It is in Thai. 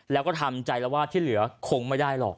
แล้วก็ทำใจแล้วว่าที่เหลือคงไม่ได้หรอก